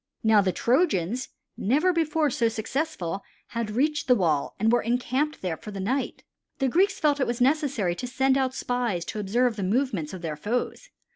Now the Trojans, never before so successful, had reached the wall and were encamped there for the night. The Greeks felt that it was necessary to send out spies to observe the movements of their foes.